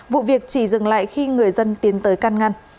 vụ việc chỉ dừng lại khi người dân tiến tới can ngăn